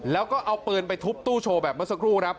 แล้วก็เอาปืนไปทุบตู้โชว์แบบเมื่อสักครู่ครับ